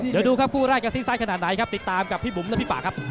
เดี๋ยวดูครับคู่แรกจะซีกซ้ายขนาดไหนครับติดตามกับพี่บุ๋มและพี่ป่าครับ